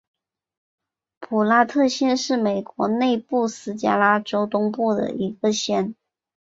普拉特县是美国内布拉斯加州东部的一个县。